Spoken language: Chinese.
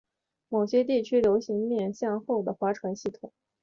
某些地区流行面向后的划船系统。